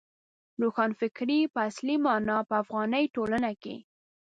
روښانفکرۍ په اصلي مانا په افغاني ټولنه کې.